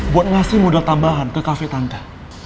buat ngasih modal tambahan ke cafe tante